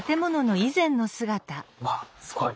わっすごい！